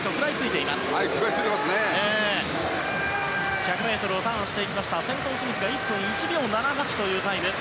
１００ｍのターンは先頭、スミスが１分１秒７８というタイム。